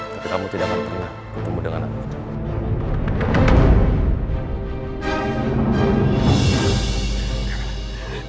tapi kamu tidak akan pernah ketemu dengan aku